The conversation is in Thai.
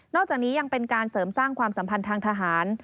จากนี้ยังเป็นการเสริมสร้างความสัมพันธ์ทางทหาร